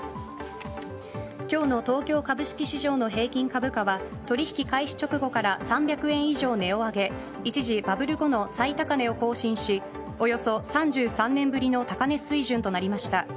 今日の東京株式市場の平均株価は取引開始直後から３００円以上値を上げ一時バブル後の最高値を更新しおよそ３３年ぶりの高値水準となりました。